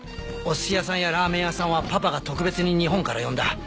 おすし屋さんやラーメン屋さんはパパが特別に日本から呼んだ。